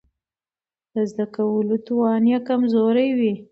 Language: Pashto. د زده کولو توان يې کمزوری وي.